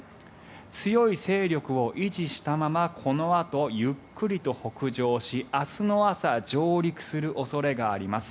強い勢力を維持したままこのあとゆっくりと北上し明日の朝上陸する恐れがあります。